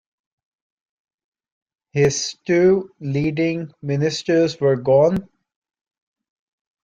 His two leading ministers were gone.